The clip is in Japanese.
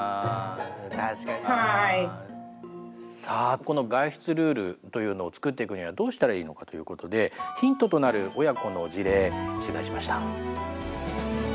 さあこの外出ルールというのを作っていくにはどうしたらいいのかということでヒントとなる親子の事例取材しました。